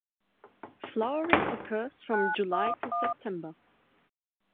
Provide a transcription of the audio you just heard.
Flowering occurs from July to September.